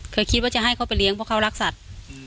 คิดว่าจะให้เขาไปเลี้ยงเพราะเขารักสัตว์